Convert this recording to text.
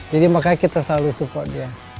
jadi makanya kita selalu support dia